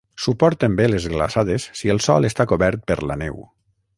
Suporten bé les glaçades si el sòl està cobert per la neu.